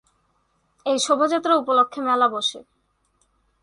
এই শোভাযাত্রা উপলক্ষে মেলা বসে।